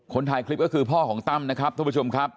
ถ่ายคลิปก็คือพ่อของตั้มนะครับท่านผู้ชมครับ